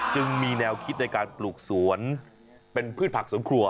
จึงมีแนวคิดในการปลูกสวนเป็นพืชผักสวนครัว